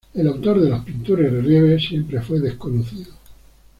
El autor de las pinturas y relieves siempre fue desconocido.